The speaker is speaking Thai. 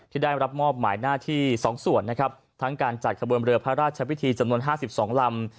ที่ได้รับมอบหมายหน้าที่๒ส่วนนะครับทั้งการจัดขบวนเรือพระราชพิธีจำนวน๕๒ลำ